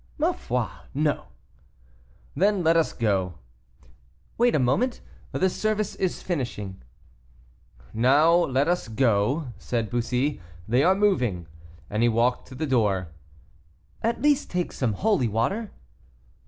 "Ma foi! no." "Then let us go." "Wait a moment; the service is finishing." "Now let us go," said Bussy; "they are moving;" and he walked to the door. "At least take some holy water."